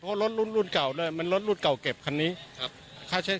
เพราะรถรุ่นรุ่นเก่าเลยมันรถรุ่นเก่าเก็บคันนี้ครับค่าใช้